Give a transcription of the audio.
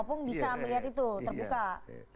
opung bisa melihat itu terbuka